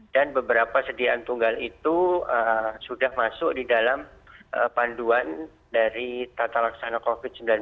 dan beberapa sediaan tunggal itu sudah masuk di dalam panduan dari tata laksana covid sembilan belas